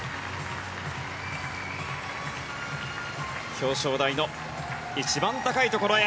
表彰台の一番高いところへ。